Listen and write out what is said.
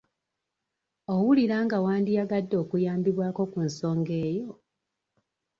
Owulira nga wandiyagadde okuyambibwako ku nsonga eyo?